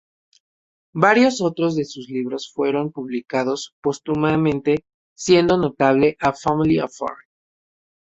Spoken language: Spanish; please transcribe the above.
Varios otros de sus libros fueron publicados póstumamente, siendo notable "A Family Affair".